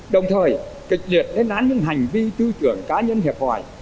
đồng thời kịch liệt lên án những hành vi tư tưởng cá nhân hiệp hoài